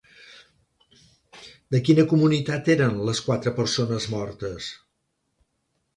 De quina comunitat eren les quatre persones mortes?